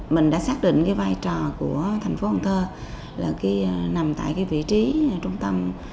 mình đã xác định vai trò của thành phố cần thơ là nằm tại vị trí trung tâm